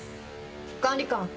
管理官。